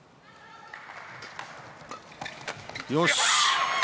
よし！